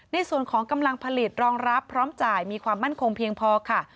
ในส่วนของกำลังผลิตรองรับพร้อมจ่ายมีความมั่นคงเพียงพอค่ะ